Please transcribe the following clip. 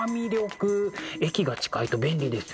駅が近いと便利ですよね。